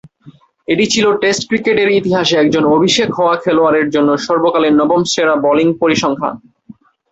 এটিই ছিল টেস্ট ক্রিকেটের ইতিহাসে একজন অভিষেক হওয়া খেলোয়াড়ের জন্য সর্বকালের নবম সেরা বোলিং পরিসংখ্যান।